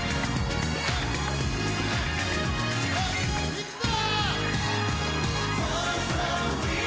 いくぞ！